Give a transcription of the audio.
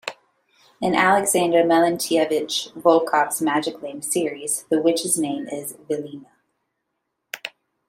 In Alexander Melentyevich Volkov's Magic Land series, the Witch's name is Villina.